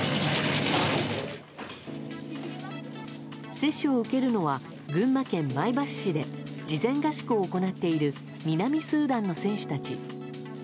接種を受けるのは群馬県前橋市で事前合宿を行っている南スーダンの選手たち。